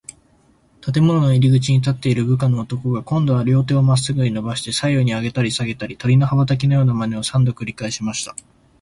建物の入口に立っている部下の男が、こんどは両手をまっすぐにのばして、左右にあげたりさげたり、鳥の羽ばたきのようなまねを、三度くりかえしました。